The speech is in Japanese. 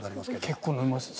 結構飲みますね。